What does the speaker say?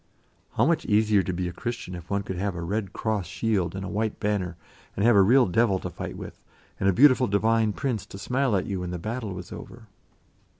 How much easier to be a Christian if one could have a red cross shield and a white banner, and have a real devil to fight with, and a beautiful Divine Prince to smile at you when the battle was over.